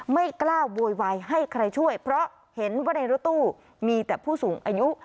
ไม่กล้าโวยวายให้ใครช่วยเพราะเห็นว่าในรถตู้มีแต่ผู้สูงอายุ